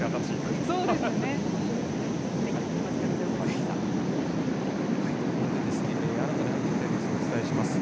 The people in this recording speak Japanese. ここで新たに入ってきたニュースをお伝えします。